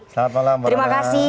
salam malam terima kasih